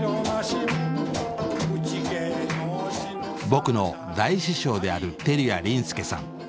僕の大師匠である照屋林助さん。